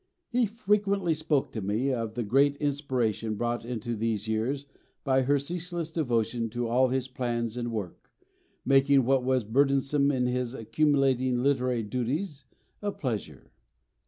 He frequently spoke to me of the great inspiration brought into these years by her ceaseless devotion to all his plans and work, making what was burdensome in his accumulating literary duties a pleasure....